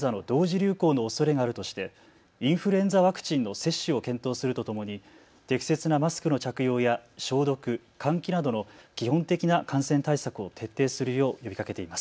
流行のおそれがあるとしてインフルエンザワクチンの接種を検討するとともに適切なマスクの着用や消毒、換気などの基本的な感染対策を徹底するよう呼びかけています。